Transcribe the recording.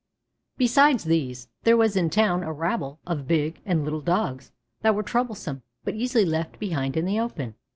Besides these, there was in town a rabble of big and little Dogs that were troublesome, but easily left behind in the open.